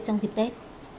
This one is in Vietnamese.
trong dịp tết